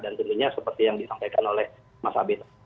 dan tentunya seperti yang disampaikan oleh mas abid